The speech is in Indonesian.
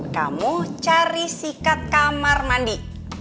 kamu cari sikat kamar mandi